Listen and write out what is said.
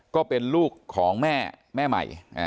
ก็เป็นลูกของแม่แม่ใหม่